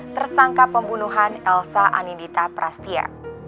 tersangka pembunuhan elsa anindita prastia